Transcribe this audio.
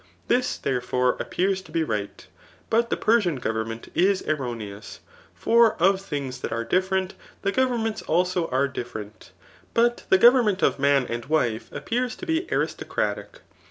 This, therefore, appears to be right ; but the Persian government is erroneous. For of tlungs that are different, the governments also are dif ferent. But the government of man and wife appears to be aristocratic.